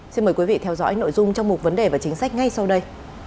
xin mời quý vị theo dõi nội dung trong một vấn đề và chính sách ngay sau đây